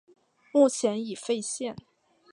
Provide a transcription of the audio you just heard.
目前已废线。